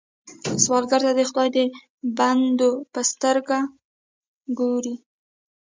سوالګر ته د خدای د بندو په سترګه وګورئ